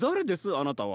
あなたは。